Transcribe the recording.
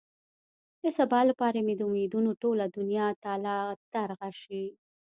د سبا لپاره مې د امېدونو ټوله دنيا تالا ترغه شي.